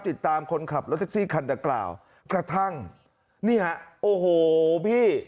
ติดตามคนขับรถแท็กซี่คันดังกล่าวกระทั่งนี่ฮะโอ้โหพี่